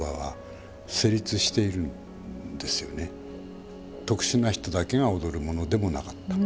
だからたぶん特殊な人だけが踊るものでもなかった。